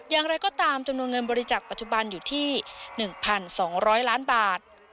อย่างไรก็ตามจำนวนเงินบริจักษ์ปัจจุบันอยู่ที่๑๒๐๐ล้านบาท